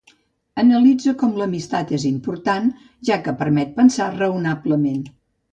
Analitza com l'amistat és important, ja que permet pensar raonablement.